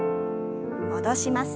戻します。